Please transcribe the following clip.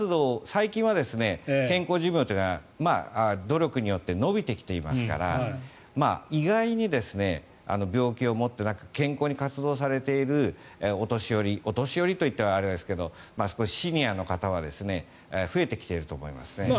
最近は健康寿命というのが努力によって延びてきていますから意外に病気を持っていなく健康に活動されているお年寄りお年寄りと言ったらあれですが少しシニアの方は増えてきていると思います。